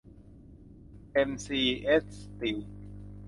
เอ็ม ซี เอส สตีล